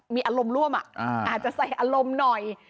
มีอารมณ์ร่วมอาจจะใส่อารมณ์หน่อย